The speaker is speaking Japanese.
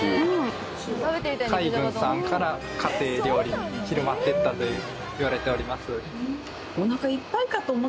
・海軍さんから家庭料理に広まってったといわれております。